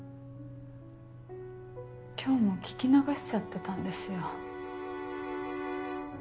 今日も聞き流しちゃってたんですよ。